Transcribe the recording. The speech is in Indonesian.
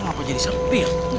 kenapa jadi sepi ya